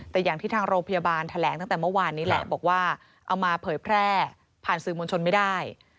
แต่อย่างที่ทางโรงพยาบาลแถลงตั้งแต่เมื่อวานนี้แหละบอกว่าเอามาเผยแพร่ผ่านสื่อมวลชนไม่ได้